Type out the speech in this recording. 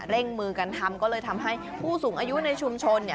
มือกันทำก็เลยทำให้ผู้สูงอายุในชุมชน